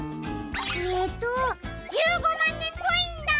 えっと１５まんねんコインだ！